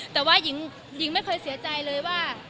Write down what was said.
แต่ว่าหญิงไม่เคยเสียใจเลยว่า